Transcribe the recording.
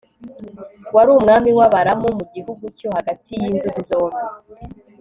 wari umwami w'abaramu mu gihugu cyo hagati y'inzuzi zombi